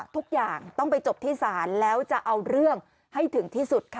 ทุกอย่างต้องไปจบที่ศาลแล้วจะเอาเรื่องให้ถึงที่สุดค่ะ